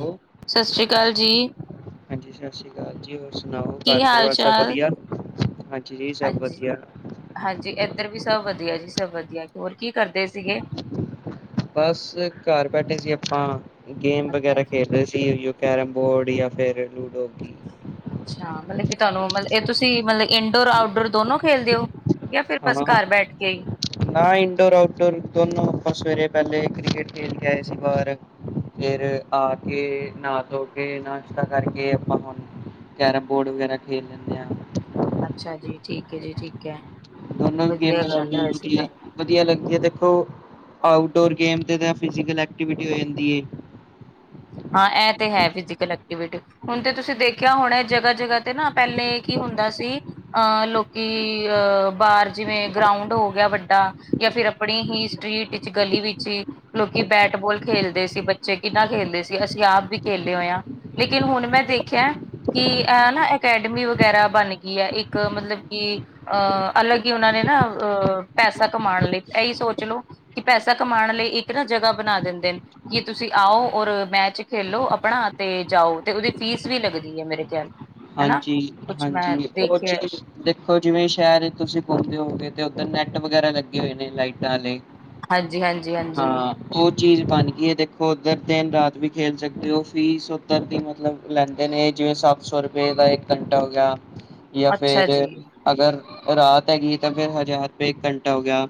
Hello ਸੱਸਰੀ ਕਾਲ ਜੀ। ਹਾਂਜੀ ਸੱਸਰੀ ਕਾਲ ਜੀ। ਹੋਰ ਸੁਣਾਓ, ਕੀ ਘਰ ਹਾਲ ਪਰਿਵਾਰ ਸਭ ਚਾਲ? ਵਧੀਆ, ਹਾਂਜੀ ਜੀ ਸਭ ਹਾਂਜੀ, ਵਧੀਆ ਹਾਂਜੀ ਐਧਰ ਵੀ ਸਭ ਵਧੀਆ ਜੀ ਸਭ ਵਧੀਆ, ਹੋਰ ਕੀ ਕਰਦੇ ਸੀਗੇ? ਬਸ ਘਰ ਬੈਠੇ ਸੀ ਆਪਾਂ, ਗੇਮ ਅੱਛਾ ਵਗੈਰਾ ਜੀ। ਖੇਡ ਰਹੇ ਸੀ। ਇਹੋ ਕੈਰਮ ਬੋਰਡ ਜਾਂ ਫੇਰ ਲੂਡੋ ਕੀ ਅੱਛਾ, ਮਤਲਬ ਕਿ ਤੁਹਾਨੂੰ ਮਤਲਬ ਇਹ, ਤੁਸੀਂ ਮਤਲਬ ਇੰਡੋਰ, ਆਊਟਡੋਰ ਦੋਨੋ ਖੇਲਦੇ ਓ? ਜਾਂ ਫੇਰ ਹਾਂ ਬਸ ਘਰ ਬੈਠ ਕੇ ਨਾ ਇੰਡੋਰ, ਆਊਟਡੋਰ ਦੋਨੋ, ਆਪਾਂ ਸਵੇਰੇ ਪਹਿਲੇ ਕ੍ਰਿਕੇਟ ਖੇਡ ਕੇ ਆਏ ਸੀ ਬਾਹਰ ਫੇਰ ਆ ਕੇ, ਨਹਾ ਧੋ ਕੇ, ਨਾਸ਼ਤਾ ਕਰਕੇ ਆਪਾਂ ਹੁਣ ਕੈਰਮ ਬੋਰਡ ਵਗੈਰਾ ਖੇਲਣ ਅੱਛਾ ਜੀ ਠੀਕ ਐ ਜੀ ਠੀਕ ਐ। ਦੋਨੋ ਗੇਮਾਂ ਸਾਨੂੰ ਦਿੱਤੀਆ ਵਧੀਆ ਲੱਗਦਾ ਦੇਖੋ, ਆਊਟਡੋਰ ਗੇਮ ਤੇ ਜਾਂ ਫਿਜ਼ੀਕਲ ਐਕਟੀਵਿਟੀ ਹੋ ਜਾਂਦੀ ਏ। ਹਾਂ, ਐਹ ਤੇ ਹੈ ਫਿਜ਼ੀਕਲ ਐਕਟੀਵਿਟੀ ਹੁਣ ਤੇ ਤੁਸੀਂ ਦੇਖਿਆ ਹੋਣਾ ਜਗਾ- ਜਗਾ ਤੇ ਨਾ, ਪੈਲੇ ਕੀ ਹੁੰਦਾ ਸੀ। ਆਹ ਲੋਕੀ, ਅਹ ਬਾਹਰ ਜਿਵੇਂ ਗਰਾਉਂਡ ਹੋ ਗਿਆ ਵੱਡਾ ਜਾਂ ਫੇਰ ਆਪਣੀ ਹੀ ਸਟ੍ਰਰੀਟ ਵਿੱਚ, ਗਲੀ ਵਿੱਚ ਹੀ ਲੋਕੀ ਬੈਟ-ਬੋਲ ਖੇਲਦੇ ਸੀ ਬੱਚੇ, ਕਿੰਨਾ ਖੇਲਦੇ ਸੀ। ਤੇ ਅਸੀਂ ਆਪ ਵੀ ਖੇਲੇ ਹੋਏ ਆਂ, ਲੇਕਿਨ ਹੁਣ ਮੈਂ ਦੇਖਿਆ ਕਿ ਐਹ ਨਾ ਅਕੈਡਮੀ ਵਗੈਰਾ ਬਣ ਗਈ ਐ ਇੱਕ ਮਤਲਬ ਕਿ ਅਹ ਅਲੱਗ ਹੀ ਉਹਨਾਂ ਨੇ ਨਾ, ਅਹ ਪੈਸਾ ਕਮਾਉਣ ਲਈ, ਇਹੀ ਸੋਚ ਲਓ ਕਿ ਪੈਸਾ ਕਮਾਉਣ ਲਈ ਇੱਕ ਨਾ ਜਗਹਾ ਬਣਾ ਦਿੰਦੇ ਨੇ, ਕਿ ਤੁਸੀਂ ਆਓ ਔਰ ਮੈਚ ਖੇਲੋ ਆਪਣਾ, ਤੇ ਜਾਓ, ਤੇ ਉਹਦੀ ਫੀਸ ਵੀ ਲੱਗਦੀ ਐ ਮੇਰੇ ਖਿਆਲ ਹਨਾ ਹਾਂਜੀ- ਕੁਛ ਮੈਂ ਹਾਂਜੀ ਓ ਦੇਖਿਆ ਚੀਜ਼ ਦੇਖੋ ਜਿਵੇਂ ਸ਼ਹਿਰ ਵਿੱਚ ਤੁਸੀਂ ਪਾਉਂਦੇ ਹੋਗੇ, ਤੇ ਉੱਧਰ ਨੈੱਟ ਵਗੈਰਾ ਲੱਗੇ ਹੋਏ ਨੇ ਲਾਈਟਾਂ ਆਲੇ ਹਾਂਜੀ-ਹਾਂਜੀ-ਹਾਂਜੀ ਓ ਚੀਜ਼ ਬਣ ਗਈ ਐ ਦੇਖੋ ਉੱਧਰ ਦਿਨ ਰਾਤ ਵੀ ਖੇਲ ਸਕਦੇ ਓ, ਫੀਸ ਉੱਧਰ ਦੀ ਮਤਲਬ ਲੈਂਦੇ ਨੇ ਜਿਵੇਂ ਸੱਤ ਸੌ ਰੁਪਏ ਦਾ ਇੱਕ ਘੰਟਾ ਹੋ ਗਿਆ ਜਾਂ ਅੱਛਾ ਜੀ ਫੇਰ ਅਗਰ ਰਾਤ ਹੈਗੀ ਏ, ਤਾਂ ਫੇਰ ਹਜ਼ਾਰ ਰੁਪਏ ਇੱਕ ਘੰਟਾ ਹੋ ਗਿਆ,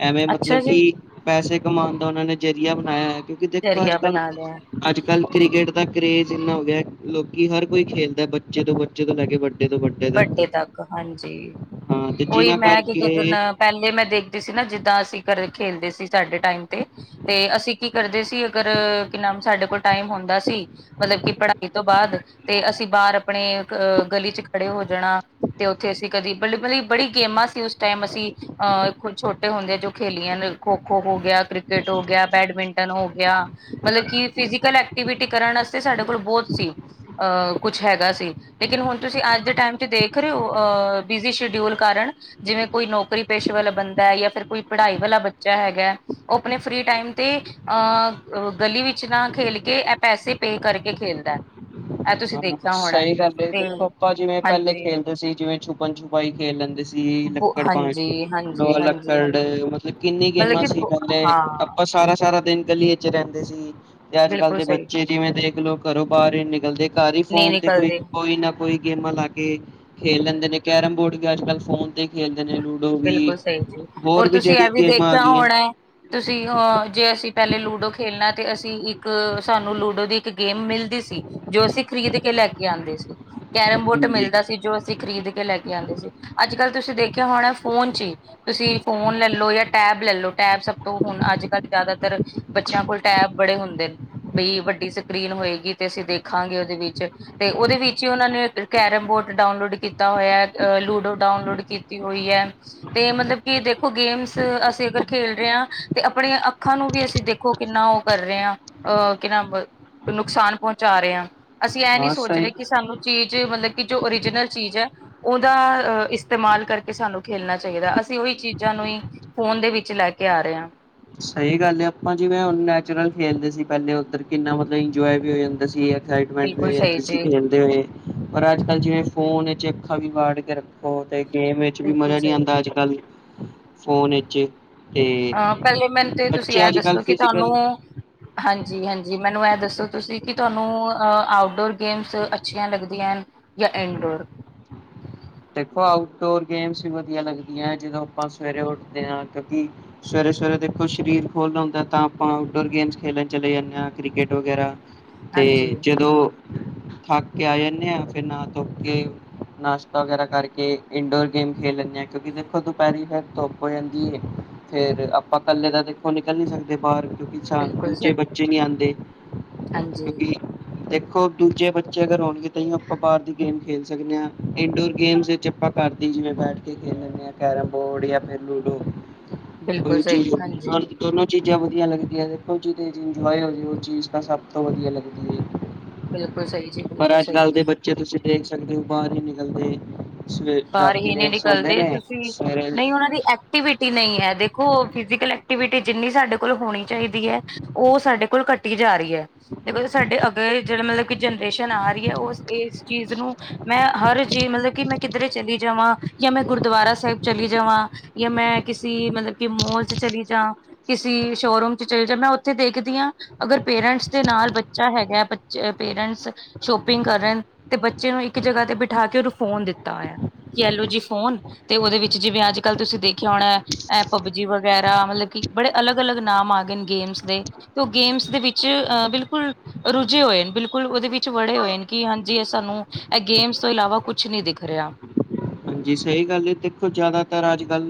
ਐਵੇਂ ਅੱਛਾ ਮਤਲਬ ਜੀ ਕਿ ਪੈਸੇ ਕਮਾਣ ਦਾ ਉਹਨਾਂ ਨੇ ਜ਼ਰੀਆ ਬਣਾਇਆ ਹੋਇਆ, ਕਿਉਂਕਿ ਦੇਖੋ ਅੱਜ ਜ਼ਰੀਆ -ਕੱਲ ਬਣਾ ਲਿਆ ਅੱਜ ਕੱਲ੍ਹ ਕ੍ਰਿਕਟ ਦਾ ਕਰੇਜ਼ ਇੰਨਾ ਹੋ ਗਿਆ ਲੋਕੀ ਹਰ ਕੋਈ ਖੇਲਦੈ ਬੱਚੇ ਤੋਂ ਬੱਚੇ ਤੋਂ ਲੈ ਕੇ ਵੱਡ ਵੱਡੇ ਤੱਕ ਹਾਂਜੀ, ਹਾਂ ਤੇ ਉਹੀ ਜਿਨਾਂ ਮੈਂ ਕੀ [unintelligible] ਕਰਕੇ ਪਹਿਲੇ ਮੈਂ ਦੇਖਦੀ ਸੀ ਨਾ ਜਿੱਦਾਂ ਅਸੀਂ ਘਰੇ ਖੇਲਦੇ ਸੀ ਸਾਡੇ ਟਾਈਮ ਤੇ ਤੇ ਅਸੀਂ ਕੀ ਕਰਦੇ ਸੀ ਅਗਰ ਕਿ ਨਾਮ ਸਾਡੇ ਕੋਲ ਟਾਈਮ ਹੁੰਦਾ ਸੀ ਮਤਲਬ ਕਿ ਪੜ੍ਹਾਈ ਤੋਂ ਬਾਦ ਤੇ ਅਸੀਂ ਬਾਹਰ ਆਪਣੇ ਅ ਗਲੀ ਚ ਖੜੇ ਹੋ ਜਾਣਾ ਤੇ ਉੱਥੇ ਅਸੀਂ ਕਦੀ ਮਤਬ ਮਤਲਬ ਬੜੀ ਗੇਮਾਂ ਸੀ ਉਸ ਟੈਮ ਅਸੀਂ ਅਹ ਛੋਟੇ ਹੁੰਦੇ ਆ ਜੋ ਖੇਲੀਆਂ ਨੇ ਖੋ-ਖੋ ਹੋ ਗਿਆ ਕ੍ਰਿਕਟ ਹੋ ਗਿਆ, ਬੈਡਮਿੰਟਨ ਹੋ ਗਿਆ। ਮਤਲਬ ਕਿ ਫਿਜ਼ਕਲ ਐਕਟੀਵਿਟੀ ਕਰਨ ਆਸਤੇ ਸਾਡੇ ਕੋਲ ਬਹੁਤ ਸੀ। ਅਹ ਕੁਛ ਹੈਗਾ ਸੀ, ਲੇਕਿਨ ਹੁਣ ਤੁਸੀਂ ਅੱਜ ਦੇ ਟੈਮ ਤੇ ਦੇਖ ਰਹੇ ਹੋ ਅ ਬਿਜੀ ਸ਼ਡਿਊਲ ਕਾਰਨ ਜਿਵੇਂ ਕੋਈ ਨੌਕਰੀ ਪੇਸ਼ੇ ਵਾਲਾ ਬੰਦਾ ਐ ਜਾਂ ਫੇਰ ਕੋਈ ਪੜ੍ਹਾਈ ਵਾਲਾ ਬੱਚਾ ਹੈਗੇ ਉਹ ਆਪਣੇ ਫ੍ਰੀ ਟਾਈਮ ਤੇ ਅ ਗਲੀ ਵਿੱਚ ਨਾ ਖੇਲਕੇ ਏਹ ਪੈਸੇ ਪੇਅ ਕਰਕੇ ਖੇਲਦੇ ਐਹ ਤੁਸੀਂ ਹਾਂ, ਦੇਖਿਆ ਹੋਣਾ, ਸਹੀ ਗੱਲ ਏ ਤੇ ਦੇਖੋ ਆਪਾਂ ਜਿਵੇਂ ਪਹਿਲੇ ਹਾਂਜੀ ਖੇਲਦੇ ਸੀ ਜਿਵੇਂ ਛੁਪਨ ਛਪਾਈ ਖੇਲ ਲੈਂਦੇ ਸ ਸੀ ਬੋ ਲੱਕੜ ਹਾਂਜੀ ਹਾਂਜੀ [unintelligible] ਹਾਂਜੀ ਲੱਕੜ ਹਾਂਜੀ ਮਤਲਬ ਕਿੰਨੀ ਮਤਲਬ ਗੇਮਾਂ ਕਿ ਸੀ ਬੋ ਪਹਿਲੇ ਹਾਂ ਆ ਔਰ ਸਾਰਾ-ਸਾਰਾ ਦਿਨ ਗਲੀਏ‌ ਚ ਰਹਿੰਦੇ ਸੀ ਤੇ ਅੱਜ-ਕੱਲ੍ਹ ਬਿਲਕੁਲ ਦੇ ਸਹੀ ਬੱਚੇ ਚੀਜ਼ ਜਿਵੇਂ ਦੇਖਲੋ ਘਰੋਂ ਬਾਹਰ ਹੀ ਨਈ ਨਿਕਲਦੇ ਘਰ ਹੀ ਨਹੀਂ ਫੋਨ ਤੇ ਕੋਈ ਨਿਕਲਦੇ ਕੋਈ ਨਾ ਕੋਈ ਗੇਮਾਂ ਲਾ ਕੇ ਖੇਲ ਲੈਂਦੇ ਨੇ ਕੈਰਮ ਬੋਰਡ ਵੀ ਅੱਜ ਕੱਲ ਫੋਨ ਤੇ ਖੇਲਦੇ ਨੇ ਲੂਡੋ ਵੀ ਬਿਲਕੁਲ ਸਹੀ ਜੀ ਔਰ ਹੋਰ ਵੀ ਤੁਸੀਂ ਜਿਹੜੀ ਇਹ ਗੇਮਾਂ ਆ ਦੇਖਿਆ ਗਈਆਂ। ਹੋਣਾ ਹੈ ਤੁਸੀਂ ਅ ਜੇ ਅਸੀਂ ਪਹਿਲੇ ਲੂਡੋ ਖੇਲਣਾ ਤੇ ਅਸੀਂ ਇੱਕ ਸਾਨੂੰ ਲੂਡੋ ਦੀ ਇੱਕ ਗੇਮ ਮਿਲਦੀ ਸੀ। ਜੋ ਅਸੀਂ ਖਰੀਦ ਕੇ ਲੈਕੇ ਆਂਦੇ ਸੀ। ਕੈਰਮ ਬੋਟ ਹਾਂਜੀ ਮਿਲਦਾ ਸੀ ਜੋ ਅਸੀਂ ਖਰੀਦ ਕੇ ਲੈ ਕੇ ਆਂਦੇ ਸੀ ਅੱਜ ਕੱਲ ਤੁਸੀਂ ਦੇਖਿਆ ਹੋਣਾ ਫੋਨ ਚੀ ਤੁਸੀਂ ਫੋਨ ਲੈ ਲੋ ਜਾਂ ਟੈਬ ਲੈ ਲੋ ਟੈਬ ਸਭ ਤੋਂ ਹੁਣ ਅੱਜ ਕੱਲ੍ਹ ਜ਼ਿਆਦਾਤਰ ਬੱਚਿਆਂ ਕੋਲ ਟੈਬ ਬੜੇ ਹੁੰਦੇ ਨੇ ਬਈ ਵੱਡੀ ਸਕਰੀਨ ਹੋਏਗੀ ਤੇ ਅਸੀਂ ਦੇਖਾਂਗੇ ਉਦੇ ਵਿੱਚ ਤੇ ਉਦੇ ਵਿੱਚ ਹੀ ਉਹਨਾਂ ਨੇ ਕੈਰਮ ਬੋਟ ਡਾਊਨਲੋਡ ਕੀਤਾ ਹੋਇਆ ਅਹ ਲੂਡੋ ਡਾਊਨਲੋਡ ਕੀਤੀ ਹੋਈ ਐ ਤੇ ਮਤਲਬ ਕਿ ਦੇਖੋ ਗੇਮਸ ਅਸੀਂ ਅਗਰ ਖੇਲ ਰੇ ਆ ਤੇ ਆਪਣੇ ਅੱਖਾਂ ਨੂੰ ਵੀ ਅਸੀਂ ਦੇਖੋ ਕਿੰਨਾ ਉਹ ਕਰ ਰੇ ਆ ਅਹ ਕਿ ਨਾਮ ਨੁਕਸਾਨ ਪਹੁੰਚਾ ਰਹੇ ਆ। ਅਸੀਂ ਐਹ ਨੀ ਹਾਂ ਸੋਚ ਸਹੀ ਰਹੇ ਕਿ ਸਾਨੂੰ ਚੀਜ਼ ਮਤਲਬ ਕਿ ਜੋ ਓਰੀਜਨਲ ਚੀਜ਼ ਐ ਉਹਦਾ ਇਸਤੇਮਾਲ ਕਰਕੇ ਸਾਨੂੰ ਖੇਲਣਾ ਚਾਈਦਾ ਅਸੀਂ ਉਹੀ ਚੀਜ਼ਾਂ ਨੂੰ ਹੀ ਫੋਨ ਦੇ ਵਿੱਚ ਲੈ ਕੇ ਆ ਰਹੇ ਆ। ਸਹੀ ਗੱਲ ਆ ਆਪਾਂ ਜਿਵੇਂ ਹੁਣ ਨੈਚੁਰਲ ਖੇਲਦੇ ਸੀ ਪਹਿਲੇ ਉੱਧਰ ਕਿੰਨਾ ਮਤਲਬ ਇੰਜੋਏ ਵੀ ਹੋ ਜਾਂਦਾ ਸੀ। ਐਕਸਾਇਟਵੈਂਟ ਵੀ ਬਿਲਕੁਲ ਹੋ ਸਹੀ ਜਾਂਦੀ ਸੀਗੀ ਜੀ ਕਿ ਕਹਿੰਦੇ ਨੇ ਪਰ ਅੱਜ ਜਿਵੇਂ ਫੋਨ ਵਿੱਚ ਅੱਖਾਂ ਵੀ ਵਾੜ ਕੇ ਹੋ ਤੇ ਗੇਮ ਵਿਚ ਵੀ ਮਜ਼ਾ ਨੀ ਆਂਦਾ ਅੱਜ-ਕੱਲ੍ਹ ਫੋਨ ਵਿਚ ਤੇ ਅ ਪਹਿਲੇ ਮੈਨੂੰ ਤੇ ਤੁਸੀਂ ਬੱਚੇ ਐਹ ਅੱਜ ਕੱਲ੍ਹ ਦੱਸੋ ਕਿ ਤੁਹਾਨੂੰ ਫਿਜ਼ੀਕਲ ਹਾਂਜੀ-ਹਾਂਜੀ ਮੈਨੂੰ ਐਹ ਦੱਸੋ ਤੁਸੀਂ ਕਿ ਤੁਹਾਨੂੰ ਆਊਟਡੋਰ ਗੇਮਸ ਅੱਛੀਆਂ ਲੱਗਦੀਆਂ ਹਨ। ਜਾਂ ਐਨਡੋਰ ਦੇਖੋ ਆਊਟਡੋਰ ਗੇਮਸ ਵੀ ਵਧੀਆ ਲੱਗਦੀਆਂ ਜਦੋਂ ਆਪਾਂ ਸਵੇਰੇ ਉੱਠਦੇ ਆ ਕਿਉਂਕਿ ਸਵੇਰੇ-ਸਵੇਰੇ ਦੇਖੋ ਸਰੀਰ ਖੁੱਲ ਹੁੰਦਾ ਤਾਂ ਆਪਾਂ ਆਊਟਡੋਰ ਗੇਮਸ ਖੇਲਣ ਚਲੇ ਜਾਣੇ ਆ ਕ੍ਰਿਕਟ ਵਗੈਰਾ ਤੇ ਹਾਂਜੀ ਜਦੋਂ ਥੱਕ ਕੇ ਆ ਜਾਣੇ ਆ ਫੇਰ ਨਾਹ ਧੋ ਕੇ ਨਾਸ਼ ਨਾਸ਼ਤਾ ਵਗੈਰਾ ਕਰਕੇ ਇੰਡੋਰ ਗੇਮ ਖੇਲ ਲੈਣੇ ਆ ਕਿਉਂਕਿ ਦੇਖੋ ਦੁਪਹਿਰੀ ਫੇਰ ਧੁੱਪ ਹੋ ਜਾਂਦੀ ਏ ਫੇਰ ਆਪਾਂ ਕੱਲੇ ਤਾਂ ਦੇਖੋ ਨਿਕਲ ਨੀਂ ਸਕਦੇ ਬਾਹਰ। ਕਿਉਕਿ ਸ਼ਾਮ ਬਿਲਕੁਲ ਦੂਜੇ ਸਹੀ ਬੱਚੇ ਨੀਂ, ਆਂਦੇ ਹਾਂਜੀ, ਕਿਉਂਕਿ ਦੇਖੋ ਦੂਜੇ ਬੱਚੇ ਅਗਰ ਔਣਗੇ ਤਾਂ ਹੀ ਆਪਾਂ ਬਾਹਰ ਦੀ ਗੇਮ ਖੇਲ ਸਕਦੇ ਆ। ਇਨਡੋਰ ਗੇਮਸ ਵਿੱਚ ਆਪਾਂ ਘਰਦੀ ਜਿਵੇਂ ਬੈਠ ਕੇ ਖੇਡ ਲੈਂਣੇ ਆ ਕੈਰਮ ਬੋਰਡ ਜਾਂ ਫੇਰ ਲੂਡੋ। ਕੋਈ ਬਿਲਕੁਲ ਵੀ ਚੀਜ਼ ਸਹੀ, ਹਾਂਜੀ, [unintelligible] ਚੀਜ਼ਾਂ ਵਧੀਆ ਲੱਗਦੀਆਂ ਦੇਖੋ ਜਿਹਦੇ 'ਚ ਇੰਜੋਏ ਹੋ ਜਾਵੇ। ਉਹ ਚੀਜ਼ ਤਾਂ ਸਭ ਤੋਂ ਵਧੀਆ ਲੱਗਦੀ ਹੈ। ਬਿਲਕੁਲ ਸਹੀ ਜੀ ਬਿਲਕੁਲ ਸਹੀ। ਉੱਚ ਤੁਸੀਂ ਦੇਖ ਸਕਦੇ ਹੋ ਬਾਹਰ ਹੀ ਨਿਕਲਦੇ ਸਵੇ ਬਾਹਰ ਰਾਤੀ ਹੀ ਨਹੀਂ ਲੇਟ ਸੋਂਦੇ ਨਿਕਲਦੇ ਨੇ ਤੁਸੀਂ ਸਵੇਰੇ ਨਹੀਂ ਉਹਨਾਂ ਦੀ ਐਕਟੀਵਿਟੀ ਨਹੀਂ ਹੈ ਦੇਖੋ ਫਿਜ਼ਕਲ ਐਕਟੀਵਿਟੀ ਜਿੰਨੀ ਸਾਡੇ ਕੋਲ ਹੋਣੀ ਚਾਹੀਦੀ ਹੈ। ਉਹ ਸਾਡੇ ਕੋਲ ਕੱਟੀ ਜਾ ਰਹੀ ਹੈ। ਦੇਖੋ ਸਾਡੇ ਅੱਗੇ ਜਿਹੜੇ ਮਤਲਬ ਕਿ ਜਨਰੇਸ਼ਨ ਆ ਰਹੀ ਹੈ। ਉਹ ਇਸ ਚੀਜ਼ ਨੂੰ ਮੈਂ ਹਰ ਜੀ ਮਤਲਬ ਕਿ ਮੈਂ ਕਿੱਧਰੇ ਚਲੀ ਜਾਵਾਂ ਜਾਂ ਮੈਂ ਗੁਰਦੁਆਰਾ ਸਾਹਿਬ ਚਲੀ ਜਾਵਾਂ ਜਾਂ ਮੈਂ ਕਿਸੀ ਮਤਲਬ ਕਿ ਮੋਲ ਚ ਚਲੀ ਜਾਂ ਕਿਸੇ ਸ਼ੋਰੂਮ 'ਚ ਚਲੀ ਜਾਂ, ਮੈਂ ਉੱਥੇ ਦੇਖਦੀ ਹਾਂ ਅਗਰ ਪੇਰੈਂਟਸ ਦੇ ਨਾਲ ਬੱਚਾ ਹੈਗਾ ਜੇ ਪੇਰੈਂਟਸ ਸ਼ੋਪਿੰਗ ਕਰਨ ਤੇ ਬੱਚੇ ਨੂੰ ਇੱਕ ਜਗ੍ਹਾ ਤੇ ਬਿਠਾ ਕੇ ਨੂੰ ਫੋਨ ਦਿੱਤ ਦਿੱਤਾ ਹੋਇਆ ਕਿ ਐਲੋ ਜੀ ਫੋਨ ਤੇ ਉਹਦੇ ਵਿੱਚ ਜਿਵੇਂ ਅੱਜ-ਕੱਲ ਤੁਸੀਂ ਦੇਖਿਆ ਹੋਣਾ ਐ ਪਬਜੀ ਵਗੈਰਾ ਮਤਲਬ ਕਿ ਬੜੇ ਅਲੱਗ-ਅਲੱਗ ਨਾਮ ਆ ਗਏ ਨੇ ਗੇਮਸ ਦੇ ਤੇ ਉਹ ਗੇਮਸ ਦੇ ਵਿੱਚ ਅਹ ਬਿਲਕੁਲ ਰੁਝੇ ਹੋਏ ਨੇ ਬਿਲਕੁਲ ਉਹਦੇ ਵਿੱਚ ਵੜੇ ਹੋਏ ਨੇ ਕਿ ਹਾਂਜੀ ਇਹ ਸਾਨੂੰ ਇਹ ਗੇਮਸ ਤੋਂ ਇਲਾਵਾ ਕੁਛ ਨੀ ਦੇਖ ਖਰਿਆ ਹਾਂਜੀ ਸਹੀ ਗੱਲ ਹੈ ਦੇਖੋ ਜ਼ਿਆਦਾਤਰ ਅੱਜ-ਕੱਲ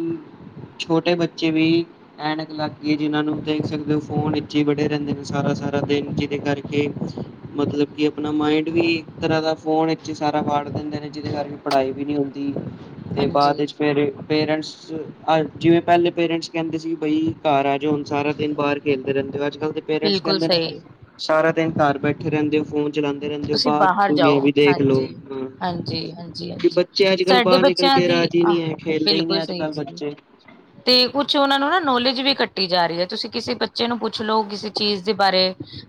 ਛੋਟੇ ਬੱਚੇ ਵੀ ਐਨਕ ਲੱਗ ਗੀ ਜਿਹਨਾਂ ਨੂੰ ਦੇਖ ਸਕਦੇ ਹੋ ਫੋਨ ਵਿਚੇ ਵੜੇ ਰਹਿੰਦੇ ਨੇ ਸਾਰਾ-ਸਾਰਾ ਦਿਨ ਜਿਹਦੇ ਕਰਕੇ ਮਤਲਬ ਕਿ ਆਪਣਾ ਮਾਇੰਡ ਵੀ ਇੱਕ ਤਰ੍ਹਾਂ ਦਾ ਫੋਨ ਵਿੱਚ ਸਾਰਾ ਵਾੜ ਦਿੰਦੇ ਨੇ ਜਿਹਦੇ ਕਰਕੇ ਪੜਾਈ ਵੀ ਨੀ ਹੁੰਦ। ਦੀ ਤੇ ਬਾਅਦ ਹਾਂਜੀ ਵਿੱਚ ਫਿਰ ਪੇਰੈਂਟਸ ਆ ਜਿਵੇਂ ਪਹਿਲੇ ਪੇਰੈਂਟਸ ਕਹਿੰਦੇ ਸੀ ਬਈ ਘਰ ਆ ਜਾ ਹੁਣ ਸਾਰਾ ਦਿਨ ਬਾਹਰ ਕਹਿੰਦੇ ਰਹਿੰਦੇ ਹੋ ਅੱਜ-ਕੱਲ ਦੇ ਪੇਰੈਂਟਸ ਬਿਲਕੁਲ ਕਹਿੰਦੇ ਨੇ ਸਹੀ ਸਾਰਾ ਦਿਨ ਘਰ ਬੈਠੇ ਰਹਿੰਦੇ ਹੋ ਫੋਨ ਚਲਾਉਂਦੇ ਰਹਿੰਦੇ ਹੋ ਤੁਸੀਂ ਬਾਹਰ ਦੁਨੀਆਂ ਜਾਓ ਵੀ ਦੇਖਲਓ ਹਾਂਜੀ ਹਾਂ ਹਾਂਜੀ ਹਾਂਜੀ ਹਾਂਜੀ ਬ- ਬੱਚੇ ਅੱਜ-ਕੱਲ ਸਾਡੇ ਬਾਹਰ ਨਿਕਲ ਬੱਚਿਆਂ ਕੇ ਦੀ ਰਾਜੀ ਹੀ ਨਹੀਂ ਹੈ, ਖੇਲਦੇ ਹੀ ਬਿਲਕੁਲ ਨੀ ਸਹੀ ਅੱਜ-ਕੱਲ ਜੀ ਬੱਚੇ। ਤੇ ਕੁਛ ਉਹਨਾਂ ਨੂੰ ਨਾਂ ਨੌਲੇਜ ਵੀ ਕੱਟੀ ਜਾ ਰਹੀ ਹੈ। ਤੁਸੀਂ ਕਿਸੇ ਬੱਚੇ ਨੂੰ ਪੁੱਛ ਲਓ ਕਿਸੇ ਚੀਜ਼ ਦੇ ਬਾਰੇ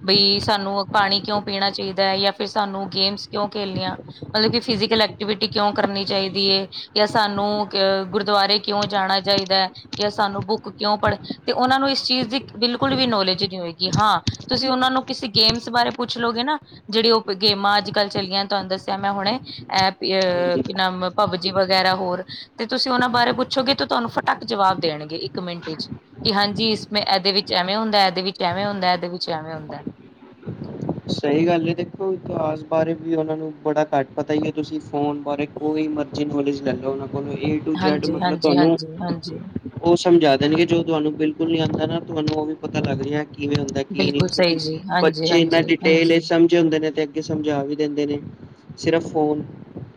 ਬਈ ਸਾਨੂੰ ਪਾਣੀ ਕਿਉਂ ਪੀਣਾ ਚਾਹੀਦਾ ਹੈ ਜਾਂ ਫਿਰ ਸਾਨੂੰ ਗੇਮਸ ਕਿਉਂ ਖੇਲਣੀਆਂ ਮਤਲਬ ਕਿ ਫਿਜ਼ੀਕਲ ਐਕਟੀਵਿਟੀ ਕਿਉਂ ਕਰਨੀ ਚਾਹੀਦੀ ਹੈ ਜਾਂ ਸਾਨੂੰ ਗੁਰਦੁਆਰੇ ਕਿਉਂ ਜਾਣਾ ਚਾਹੀਦਾ ਹੈ ਜਾਂ ਸਾਨੂੰ ਬੁੱਕ ਕਿਉਂ ਪੜ੍ਹ ਤੇ ਉਹਨਾਂ ਨੂੰ ਇਸ ਚੀਜ਼ ਦੀ ਬਿਲਕੁਲ ਵੀ ਨੌਲੇਜ ਨਹੀਂ ਹੋਏਗੀ ਹਾਂ। ਤੁਸੀਂ ਉਹਨਾਂ ਨੂੰ ਕਿਸੇ ਗੇਮਸ ਬਾਰੇ ਪੁੱਛ ਲਓਗੇ ਨਾ ਜਿਹੜੀ ਉਹ ਕੋਈ ਗੇਮਾਂ ਅੱਜ ਕੱਲ ਚਲੀਆਂ ਤੁਹਾਨੂੰ ਦੱਸਿਆ ਮੈਂ ਹੁਣੇ ਐਪ ਅ ਹਾਂਜੀ ਕੀ ਨਾਮ ਪਬਜੀ ਵਗੈਰਾ ਹੋਰ ਤੇ ਤੁਸੀਂ ਉਹਨਾਂ ਬਾਰੇ ਪੁੱਛੋਗੇ ਤੇ ਤੁਹਾਨੂੰ ਫਟਾਕ ਜਵਾਬ ਦੇਣਗੇ ਇੱਕ ਮਿੰਟ ਚ ਕਿ ਹਾਂਜੀ ਇਸ ਮੇਂ ਇਹਦੇ ਵਿੱਚ ਐਵੇਂ ਹੁੰਦਾ ਇਹਦੇ ਵਿੱਚ ਐਵੇਂ ਹੁੰਦਾ ਇਹਦੇ ਵਿੱਚ ਐਵੇਂ ਹੁੰਦਾ। ਸਹੀ ਗੱਲ ਹੈ ਦੇਖੋ ਇਤਿਹਾਸ ਬਾਰੇ ਵੀ ਉਹਨਾਂ ਨੂੰ ਬੜਾ ਘੱਟ ਪਤਾ ਹੀ ਹੈ ਤੁਸੀਂ ਫੋਨ ਬਾਰੇ ਕੋਈ ਮਰਜੀ ਨੋਜ ਲੈ ਲੈ ਉਹਨਾਂ ਕੋਲੋਂ ਏ ਟੂ ਜੈਡ ਹਾਂਜੀ, ਮਤਲਬ ਹਾਂਜੀ, ਤੁਹਾਨੂੰ ਹਾਂਜੀ, ਹਾਂਜੀ ਉਹ ਸਮਝਾ ਦੇਣਗੇ ਜੋ ਤੁਹਾਨੂੰ ਬਿਲਕੁਲ ਨੀ ਆਉਂਦਾ ਨਾ ਤੁਹਾਨੂੰ ਉਹ ਵੀ ਪਤਾ ਲੱਗ ਰਿਹਾ। ਕਿਵੇਂ ਹੁੰਦਾ ਕੀ ਨਹੀਂ ਬਿਲਕੁਲ ਕਿਉਂਕਿ ਸਹੀ ਜੀ ਹਾਂਜੀ, ਬੱਚੇ ਇਨਾ ਹਾਂਜੀ, ਕ ਹਾਂਜੀ। ਸਮਝੇ ਹੁੰਦੇ ਨੇ ਤੇ ਅੱਗੇ ਸਮਝਾ ਵੀ ਦਿੰਦੇ ਨੇ ਸਿਰਫ ਫੋਨ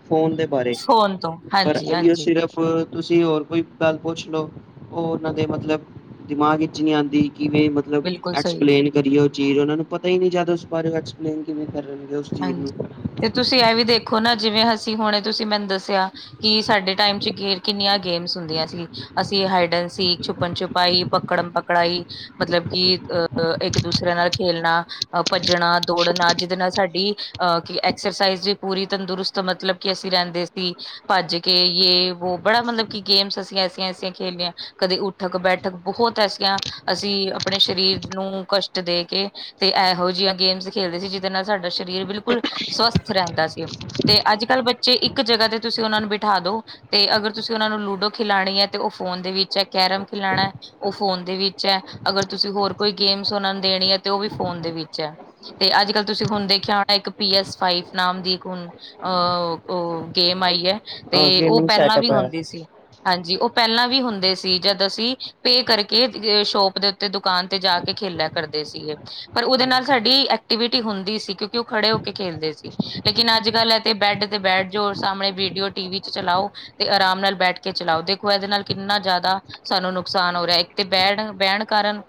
ਫੋਨ ਦੇ ਬਾਰੇ ਫੋਨ ਤੋਂ ਪਰ ਹਾਂਜੀ, ਆਈ ਓ ਹਾਂਜੀ ਸਿਰਫ ਪਰ ਤੁਸੀਂ ਹੋਰ ਕੋਈ ਗੱਲ ਪੁੱਛ ਲਓ ਉਹ ਉਹਨਾਂ ਦੇ ਮਤਲਬ ਦਿਮਾਗ ਵਿੱਚ ਨੀ ਆਉਂਦੀ ਕਿਵੇਂ ਮਤ ਮਤਲਬ ਬਿਲਕੁਲ ਸਹੀ। ਐਕਸਪਲੇਨ ਕਰਿਓ ਚੀਜ਼ ਉਹਨਾਂ ਨੂੰ ਪਤਾ ਹੀ ਨਹੀਂ ਜਿਆਦਾ ਉਸ ਬਾਰੇ ਐਕਸਪਲੇਨ ਕਿਵੇਂ ਕਰਨਗੇ ਉਸ ਚੀਜ਼ ਨੂੰ। ਹਾਂਜੀ ਤੇ ਤੁਸੀਂ ਇਹ ਵੀ ਦੇਖੋ ਨਾ ਜਿਵੇਂ ਅਸੀਂ ਹੁਣ ਤੁਸੀਂ ਮੈਨੂੰ ਦੱਸਿਆ। ਕਿ ਸਾਡੇ ਟਾਈਮ ਚ ਗੇਰ ਕਿੰਨੀਆਂ ਗੇਮਸ ਹੁੰਦੀਆਂ ਸੀ। ਅਸੀਂ ਹਾਈਡਨ ਸੀ, ਛੁਪਣ-ਛੁਪਾਈ, ਪਕੜਨ ਪਕੜਾਈ ਮਤਲਬ ਕਿ ਅ ਅ ਇੱਕ ਦੂਸਰੇ ਨਾਲ ਖੇਲਣਾ। ਅ ਭੱਜਣਾ, ਦੌੜਨਾ ਜਿਦੇ ਨਾਲ ਸਾ ਡੀ ਅ ਕਿ ਐਕਸਰਸਾਈਜ਼ ਵੀ ਪੂਰੀ, ਤੰਦਰੁਸਤ ਮਤਲਬ ਕਿ ਅਸੀਂ ਰੈਂਦੇ ਸੀ। ਭੱਜ ਕੇ ਯੇ ਵੋ ਬੜਾ ਮਤਲਬ ਕੀ ਗੇਮਸ ਅਸੀਂ ਐਸੀਆਂ, ਐਸੀਆਂ ਖੇਲੀਆਂ। ਕਦੇ ਉੱਠਕ-ਬੈਠਕ ਬਹੁਤ ਐਸੀਆਂ ਅਸੀਂ ਆਪਣੇ ਸਰੀਰ ਨੂੰ ਕਸ਼ਟ ਦੇ ਕੇ ਤੇ ਏਹੋ ਜੀਆਂ ਗੇਮਸ ਖੇਡਦੇ ਸੀ, ਜਿਦੇ ਨਾਲ ਸਾਡੇ ਸਰੀਰ ਬਿਲਕੁਲ ਸਵਸਥ ਰੈਂਦਾ ਸੀ ਤੇ ਅੱਜ-ਕਲ ਬੱਚੇ ਇੱਕ ਜਗ੍ਹਾ ਤੇ ਤੁਸੀਂ ਓਨਾਂ ਨਾਂ ਨੂੰ ਬਿਠਾ ਦੋ ਤੇ ਅਗਰ ਤੁਸੀਂ ਓਨਾਂ ਨੂੰ ਖਿਲਾਣੀ ਐ ਤੇ ਓ ਫੋਨ ਦੇ ਵਿੱਚ ਐ, ਕੈਰਮ ਖਿਲਾਣਾ ਓ ਫੋਨ ਦੇ ਵਿੱਚ ਐ, ਅਗਰ ਤੁਸੀਂ ਹੋਰ ਕੋਈ ਗੇਮਸ ਓਨਾਂ ਨੂੰ ਦੇਣੀ ਐ ਤੇ ਓ ਵੀ ਫੋਨ ਦੇ ਵਿੱਚ ਐ। ਤੇ ਅੱਜ-ਕਲ ਤੁਸੀਂ ਹੁਣ ਦੇਖ ਖਿਆ ਹੁਣਾ ਇੱਕ ਪੀ ਐਸ ਫਾਈਵ ਨਾਮ ਦੀ ਹੁਣ ਅ ਓ ਗੇਮ ਆਈ ਐ। ਅ ਤੇ ਓ ਗੇਮਿੰਗ ਪੈਲਾਂ ਵੀ ਸੈਟਅਪ ਹੈ। ਹੁੰਦੀ ਸੀ। ਹਾਂਜੀ ਓ ਪੋਲਾਂ ਵੀ ਹੁੰਦੇ ਸੀ, ਜਦ ਅਸੀਂ ਪੇ ਕਰਕੇ ਸ਼ੋਪ ਦੇ ਉ ਤੇ ਦੁਕਾਨ ਤੇ ਜਾ ਕੇ ਖੇਲਿਆ ਕਰਦੇ ਸੀਗੇ। ਪਰ ਓਦੇ ਨਾਲ ਸਾਡੀ ਐਕਟੀਵਿਟੀ ਹੁੰਦੀ ਸੀ ਕਿਉਂ ਖੜੇ ਹੋ ਕੇ ਖੇਲਦੇ ਸੀ। ਲੇਕਿਨ ਅੱਜ-ਕਲ ਏ ਤੇ ਬੈੱਡ ਤੇ ਬੈਡ ਜੋ ਸਾਹਮਣੇ ਵੀਡੀਓ ਟੀ ਵੀ ਚ ਚਲਾਓ। ਤੇ ਆਰਾਮ ਨਾਲ ਬੈਠ ਕੇ ਚਲਾਓ। ਦੇਖੋ, ਏਦੇ ਨਾਲ ਕਿੰਨਾ ਜ਼ਿਆਦਾ ਸਾਨੂੰ ਨੁਕਸਾਨ ਹੋ ਰਿਆ। ਇੱਕ ਤੇ ਬੈਣ ਬਹਿਣ ਕਾਰਨ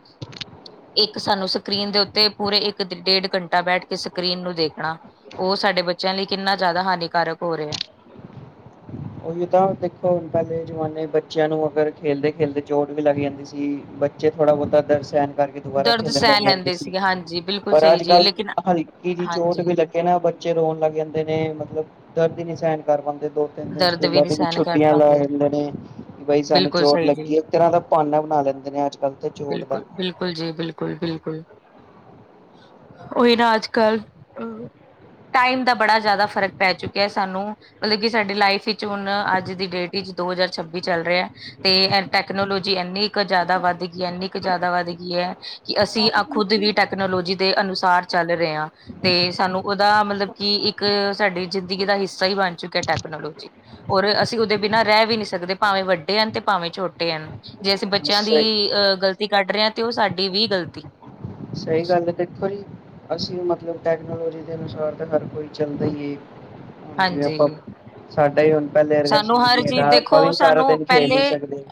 ਇੱਕ ਸਾਨੂੰ ਸਕਰੀਨ ਦੇ ਉੱਤੇ ਪੂਰੇ ਇੱਕ ਡੇਢ ਘੰਟਾ ਬੈਠ ਕੇ ਸ ਕਰੀਨ ਨੂੰ ਦੇਖਣਾ ਓ ਸਾਡੇ ਬੱਚਿਆਂ ਲਈ ਕਿੰਨਾ ਜ਼ਿਆਦਾ ਹਾਨੀਕਾਰਕ ਹੋ ਰਿਆ। ਓਹੀ ਤਾਂ ਦੇਖੋ, ਹੁਣ ਪੈਲੇ ਜਮਾਨੇ ਬੱਚਿਆਂ ਨੂੰ ਅਗਰ ਖੇਲਦੇ-ਖੇਲਦੇ ਚੋਟ ਵੀ ਲੱਗ ਜਾਂਦੀ ਸੀ। ਬਚ ਦੇ ਥੋੜਾ-ਬੋਤਾ ਦਰਦ ਸਹਿਣ ਕਰਕੇ ਦੁਬਾਰਾ ਦਰਦ ਖੇਲਣ ਲੱਗ ਸਹਿ ਜਾਂਦੇ ਲੈਂਦੇ ਸੀ। ਸੀਗੇ ਹਾਂਜੀ ਬਿਲਕੁਲ ਪਰ ਸਹੀ ਜੀ ਅੱਜ-ਕਲ ਲੇਕਿਨ ਹਲਕੀ ਜੀ ਚੋਟ ਹਾਂਜੀ ਵੀ ਲੱਗੇ ਨਾਂ ਬ ਚੇ ਰੋਣ ਲੱਗ ਜਾਂਦੇ ਨੇਂ, ਮਤਲਬ ਦਰਦ ਈ ਨੀਂ ਸਹਿਣ ਕਰ ਪਾਂਦੇ ਦੋ-ਤਿੰਨ ਦਿਨ ਚ ਦਰਦ ਓਨਾਂ ਨਹੀਂ ਦੇ ਵੀ ਸਹਿਣ ਕਰ ਛੁੱਟੀਆਂ ਲੈ ਪਾਉਂਦੇ ਹੁੰਦੇ ਨੇਂ ਬਾਈ ਸਾਨੂੰ ਬਿਲਕੁਲ ਚੋਟ ਸਹੀ ਜੀ ਲੱਗੀ ਐ, ਇੱਕ ਤਰ੍ਹਾਂ ਦਾ ਭਾਨਾ ਬਣਾ ਲੈਂਦੇ ਨੇ ਅੱਜ-ਕਲ ਤੇ ਚੋਟ ਦਾ। ਬਿਲਕੁਲ ਬਿਲਕੁਲ ਜੀ, ਬਿਲਕੁਲ ਬਿਲਕੁਲ। ਓਹੀ ਨਾਂ ਅੱਜ-ਕਲ ਟਾਈਮ ਦਾ ਬੜਾ ਜ਼ਿਆਦਾ ਫ਼ਰਕ ਪੈ ਚੁੱਕਿਆ ਸਾਨੂੰ ਮਤਲਬ ਕਿ ਸਾਡੀ ਲਾਈਫ ਵਿੱਚ ਹੁਣ ਅੱਜ ਦੀ ਡੇਟ ਇਚ ਦੋ ਹਜ਼ਾਰ ਛੱਬੀ ਚੱਲ ਰਿਆ। ਤੇ ਟੈਕਨੋਲੋਜੀ ਇੰਨੀ ਕੁ ਜ਼ਿਆਦਾ ਵੱਧ ਗੀ ਐ ਇੰਨੀ ਕੁ ਜ਼ਿਆਦਾ ਵੱਧ ਗੀ ਐ ਕਿ ਅਸੀਂ ਆ ਖੁਦ ਵੀ ਟੈਕਨੋਲੋਜੀ ਦੇ ਅਨੁਸਾਰ ਚੱਲ ਰੇ ਆਂ। ਤੇ ਸਾਨੂੰ ਓਦਾ ਮਤਲਬ ਕਿ ਇੱਕ ਸਾਡੀ ਜ਼ਿੰਦਗੀ ਦਾ ਹਿੱਸਾ ਈ ਬਣ ਚੁੱਕਿਆ ਟੈਕ ਨੋਲੋਜੀ ਔਰ ਅਸੀਂ ਓਦੇ ਬਿਨਾਂ ਰੈ ਵੀ ਨੀਂ ਸਕਦੇ, ਭਾਵੇਂ ਵੱਡੇ ਹਨ ਤੇ ਭਾਵੇਂ ਛੋਟੇ ਹਨ। ਜੇ ਅਸੀਂ ਬੱਚਿਆਂ ਸਹੀ ਦੀ ਅਹ ਗ਼ਲਤੀ ਕੱਢ ਰੇ ਆਂ ਤੇ ਓ ਸਾਡੀ ਵੀ ਗ਼ਲਤੀ ਸਈ ਗੱਲ ਐ। ਦੇਖੋ ਜੀ ਅਸੀਂ ਮਤਲਬ ਟੈਕਨੋਲੋਜੀ ਦੇ ਅਨੁਸਾਰ ਤਾਂ ਹਰ ਕੋਈ ਚੱਲਦਾ ਈ ਏ, ਹਾਂਜੀ ਆਪਾਂ ਸਾਡਾ ਈ ਹੁਣ ਪੈਲੇ ਅਰਗਾ ਸਾਨੂੰ ਸਰੀਰ ਹਰ ਨੀਂ ਚੀਜ਼ ਹੈਗਾ, ਆਪਾਂ ਦੇਖੋ ਵੀ ਸਾਰਾ ਸਾਨੂੰ ਦਿਨ ਖੇਡ ਨੀਂ ਪਹਿਲੇ ਸਕਦੇ।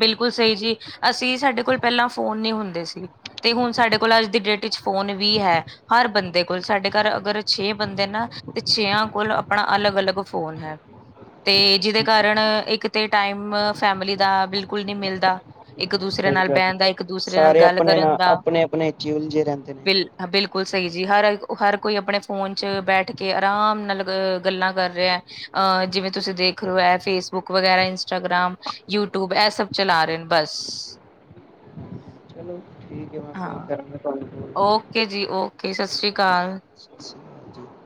ਬਿਲਕੁਲ ਸਈ ਜੀ, ਅਸੀਂ ਸਾਡੇ ਕੋਲ ਪੈਲਾਂ ਫੋਨ ਨੀਂ ਹੁੰਦੇ ਸੀ। ਤੇ ਹੁਣ ਸਾਡੇ ਕੋਲ ਅੱਜ ਦੀ ਡੇਟ ਇੱਚ ਫੋਨ ਵੀ ਹੈ। ਹਰ ਬੰਦੇ ਕੋਲ, ਸਾਡੇ ਘਰ ਅਗਰ ਛੇ ਬੰਦੇ ਨਾਂ ਤੇ ਛੇਆਂ ਕੋਲ ਆਪਣਾ ਅਲੱਗ-ਅਲੱਗ ਫੋਨ ਹੈ। ਤੇ ਜਿਦੇ ਕਾਰਨ ਇੱਕ ਤੇ ਟਾਈਮ ਫੈਮਲੀ ਦਾ ਬਿਲਕੁਲ ਨ੍ਹੀਂ ਮਿਲਦਾ ਇੱਕ-ਦੂਸਰੇ ਸਹੀ ਨਾਲ ਗੱਲ ਹੈ ਬਹਿਣ ਦਾ, ਇੱਕ-ਦੂਸਰੇ ਨਾਲ ਸਾਰੇ ਗੱਲ ਆਪਣੇ ਕਰਨ ਨਾਲ ਦਾ। ਆਪਣੇ ਆਪਣੇ ਚ ਹੀ ਉਲਝੇ ਰਹਿੰਦੇ ਨੇ ਬਿਲ ਬਿਲਕੁਲ ਸਈ ਜੀ, ਹਰ, ਹਰ ਕੋਈ ਆਪਣੇ ਫੋਨ ਚ ਬੈਠ ਕੇ ਆਰਾਮ ਨਾਲ ਅ ਗੱਲਾਂ ਕਰ ਰਿਆ। ਅ ਜਿਵੇਂ ਤੁਸੀਂ ਦੇਖ ਰਹੇ ਹੋ ਐ ਫੇਸਬੁੱਕ ਵਗੈਰਾ ਇੰਸਟਾਗ੍ਰਾਮ ਯੂਟਿਊਬ ਏ ਸਭ ਚਲਾ ਰਏ ਨੇ ਬਸ। ਚਲੋ ਠੀਕ ਹੈ ਮੈਂ ਫਿਰ ਹਾਂ, ਕਰਾਂਗਾ ਤੁਹਾਨੂੰ ਕੋਲ ਓਕੇ ਜੀ ਓਕੇ ਸਾਸਰੀ ਕਾਲ। ਸਤ ਸ਼੍ਰੀ ਅਕਾਲ ਜੀ।